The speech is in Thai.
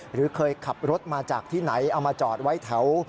หรือเคยขับรถมาจากที่ไหนเอามาจอดไว้แถว